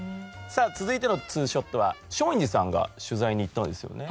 さあ続いての２ショットは松陰寺さんが取材に行ったんですよね。